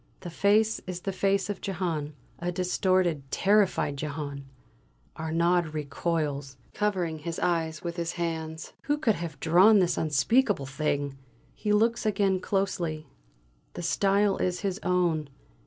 The face is the face of Jehane a distorted, terrified Jehane! Arnaud recoils, covering his eyes with his hands. Who could have drawn this unspeakable thing? He looks again closely; the style is his own!